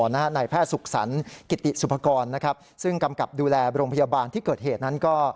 นายแพทย์สุขสรรคกิติสุภกรซึ่งกำกับดูแลโรงพยาบาลที่เกิดเหตุนั้นก็